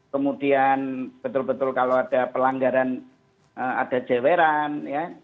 kemudian betul betul kalau ada pelanggaran ada jeweran ya